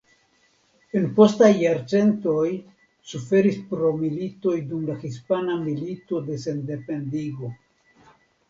En postaj jarcentoj suferis pro militoj dum la Hispana Milito de Sendependigo.